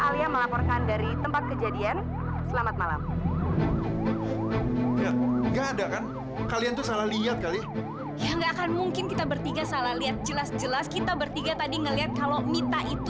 sampai jumpa di video selanjutnya